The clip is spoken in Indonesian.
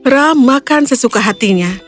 ramakan sesuka hati